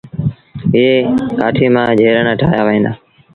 ايئي ڪآٺيٚ مآ جھيرڻآن ٺآهيآ وهين دآ۔